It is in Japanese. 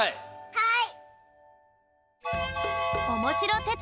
はい！